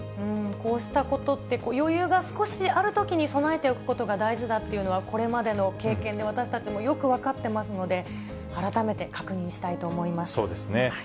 こうしたことって、余裕が少しあるときに備えておくことが大事だというのは、これまでの経験で私たちもよく分かってますので、改めて確認したいと思そうですね。